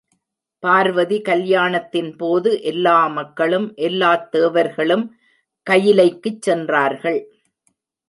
பார்வதி கல்யாணத்தின்போது எல்லா மக்களும், எல்லாத் தேவர்களும் கயிலைக்குச் சென்றார்கள்.